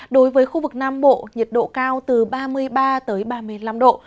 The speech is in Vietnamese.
đối với khu vực nam bộ nhiệt độ cao từ ba mươi ba ba mươi năm độ